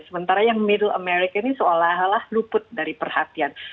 sementara yang middle america ini seolah olah luput dari perhatian